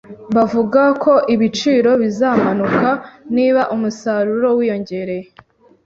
Bavuga ko ibiciro bizamanuka niba umusaruro wiyongereye